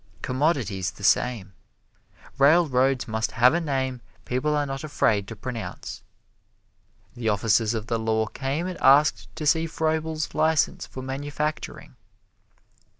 Commodities the same. Railroads must have a name people are not afraid to pronounce. The officers of the law came and asked to see Froebel's license for manufacturing.